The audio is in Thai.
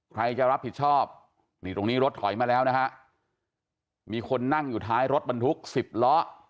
ใครจะรับผิดชอบนี่ตรงนี้รถถอยมาแล้วนะฮะมีคนนั่งอยู่ท้ายรถบรรทุก๑๐ล้อ